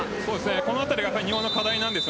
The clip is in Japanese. このあたりが日本の課題なんです。